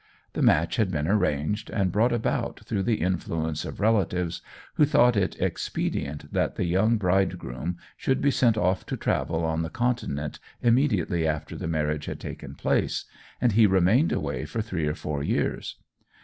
The match had been arranged and brought about through the influence of relatives, who thought it expedient that the youthful bridegroom should be sent off to travel on the Continent immediately after the marriage had taken place, and he remained away for three or four years.